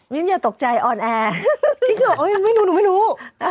มิ้มอย่าตกใจออนแอร์จริงหรอไม่รู้